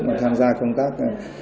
mà tham gia công tác